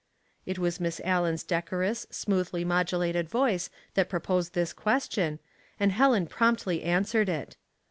It was Miss Allen's decorous, smooth ly modulated voice that proposed this question, and Helen promptly answered it.